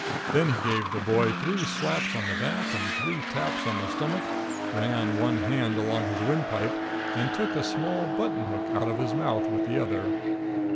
Then he gave the boy three slaps on the back and three taps on the stomach, ran one hand along his windpipe, and took a small button hook out of his mouth with the other.